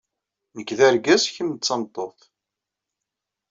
Nekk d argaz, kemm d tameṭṭut.